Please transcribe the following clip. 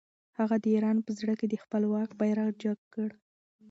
هغه د ایران په زړه کې د خپل واک بیرغ جګ کړ.